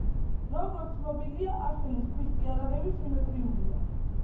როგორც ცნობილია, აშელის ქვის იარაღები სიმეტრიულია.